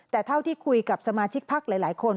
แต่เท่าที่คุยกับสมาชิกพักหลายคน